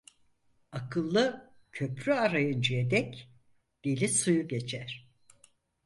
Akıllı köprü arayıncaya dek deli suyu geçer.